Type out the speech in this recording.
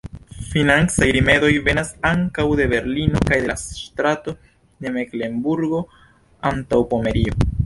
Financaj rimedoj venas ankaŭ de Berlino kaj de la ŝtato de Meklenburgo-Antaŭpomerio.